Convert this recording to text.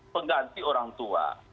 pengganti orang tua